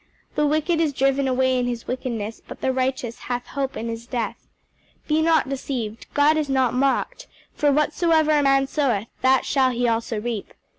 'The wicked is driven away in his wickedness: but the righteous hath hope in his death.' 'Be not deceived; God is not mocked: for whatsoever a man soweth, that shall he also reap.